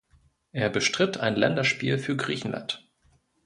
Er bestritt ein Länderspiel für Griechenland.